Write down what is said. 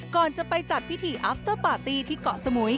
ก่อนจะไปจัดพิธีอัฟเตอร์ปาร์ตี้ที่เกาะสมุย